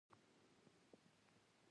دوی د نجونو د حقونو په اړه چوپ دي.